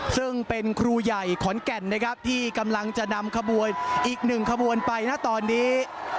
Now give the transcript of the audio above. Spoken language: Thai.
ซึ่งเป็นครูใหญ่ขอนแก่นนะครับที่กำลังจะนำขบวนอีกหนึ่งขบวนไปนะตอนนี้